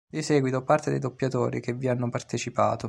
Di seguito parte dei doppiatori che vi hanno partecipato.